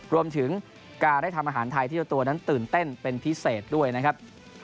รวมถึงการได้ทำอาหารไทยที่เจ้าตัวนั้นตื่นเต้นเป็นพิเศษด้วยนะครับ